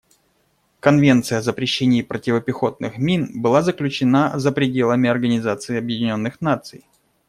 Конвенция о запрещении противопехотных мин была заключена за пределами Организации Объединенных Наций.